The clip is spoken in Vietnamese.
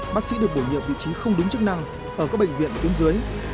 bác sĩ được bổ nhiệm vị trí không đúng chức năng ở các bệnh viện tuyến dưới